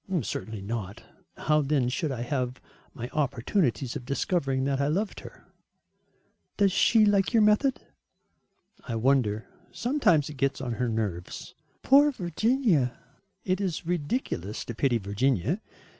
"Certainly not. How then should I have my opportunities of discovering that I loved her?" "Does she like your method?" "I wonder. Sometimes it gets on her nerves." "Poor Virginia." "It is ridiculous to pity Virginia.